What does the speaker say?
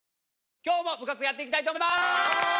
今日も部活やっていきたいと思います！